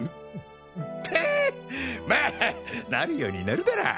まあなるようになるだろ。